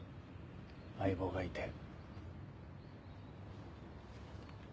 相棒がいて。